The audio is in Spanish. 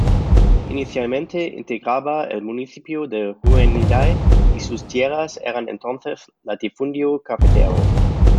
Inicialmente integraba el municipio de Jundiaí, y sus tierras eran entonces latifundio cafetero.